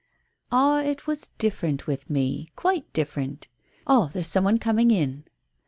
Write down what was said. "Ah, it was different with me quite different. Ah, there's some one coming in."